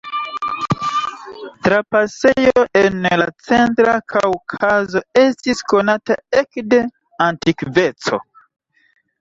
Trapasejo en la centra Kaŭkazo estis konata ekde antikveco.